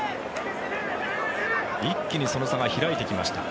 一気にその差が開いてきました。